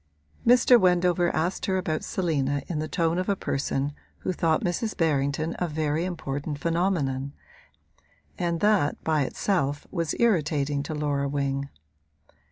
Mr. Wendover asked her about Selina in the tone of a person who thought Mrs. Berrington a very important phenomenon, and that by itself was irritating to Laura Wing.